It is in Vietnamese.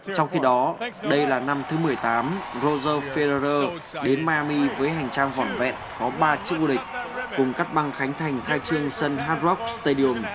trong khi đó đây là năm thứ một mươi tám roger federer đến miami với hành trang vỏn vẹn có ba chiếc vô địch cùng cắt băng khánh thành khai trương sân hard rock stadium